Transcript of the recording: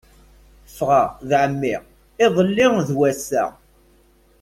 Ffɣeɣ d ɛemmi iḍelli d wass-a.